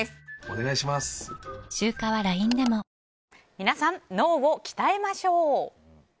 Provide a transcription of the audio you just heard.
皆さん、脳を鍛えましょう。